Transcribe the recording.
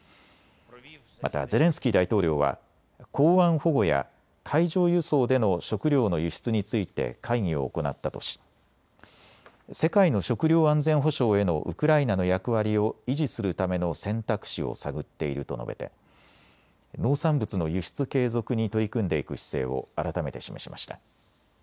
またゼレンスキー大統領は港湾保護や海上輸送での食料の輸出について会議を行ったとし世界の食料安全保障へのウクライナの役割を維持するための選択肢を探っていると述べて農産物の輸出継続に取り組んでいく姿勢を改めて示しました。